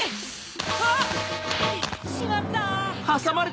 わっ！しまった。